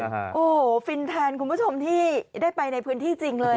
โอ้โหฟินแทนคุณผู้ชมที่ได้ไปในพื้นที่จริงเลย